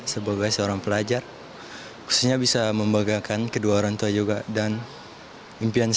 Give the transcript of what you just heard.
semoga mereka berhasil para capas k ini berasal dari empat puluh delapan provinsi yang diwakili sepasang putra dan putri dari tiap provinsi